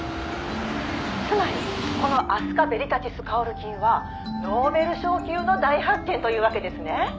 「つまりこのアスカベリタティスカオル菌はノーベル賞級の大発見というわけですね」